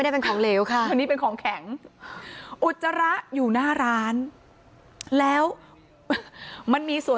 ตอนต่อไป